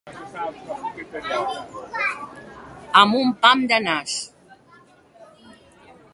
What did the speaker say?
Amb un pam de nas.